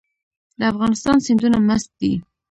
د افغانستان سیندونه مست دي